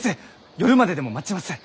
夜まででも待ちます！